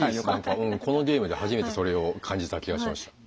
このゲームで初めてそれを感じた気がしました。